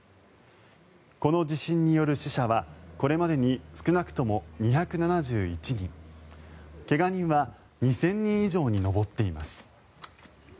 この地震による死者はこれまでに少なくとも２７１人怪我人は２０００人以上に上っています。